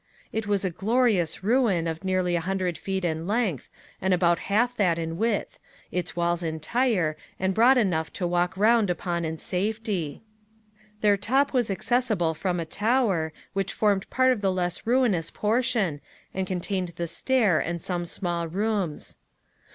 It was a glorious ruin, of nearly a hundred feet in length, and about half that in width, the walls entire, and broad enough to walk round upon in safety. Their top was accessible from a tower, which formed part of the less ruinous portion, and contained the stair and some small rooms.